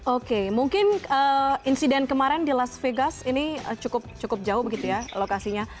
oke mungkin insiden kemarin di las vegas ini cukup jauh begitu ya lokasinya